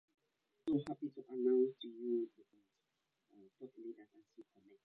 Robert Bloomfield was born of a poor family in the village of Honington, Suffolk.